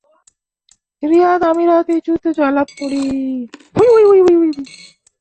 রিয়াদ আমিরাত এই যুদ্ধে জয়লাভ করে।